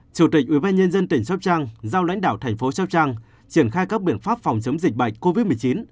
chủ tịch ubnd tỉnh sóc trăng giao lãnh đạo thành phố sóc trăng triển khai các biện pháp phòng chống dịch bệnh covid một mươi chín